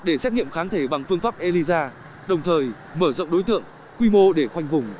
để xét nghiệm kháng thể bằng phương pháp elisa đồng thời mở rộng đối tượng quy mô để khoanh vùng